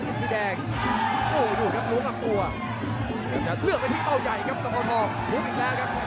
ต้องเข้าถอบหลุดอีกแล้วครับ